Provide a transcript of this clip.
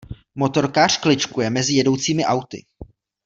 Motorkář kličkuje mezi jedoucími auty.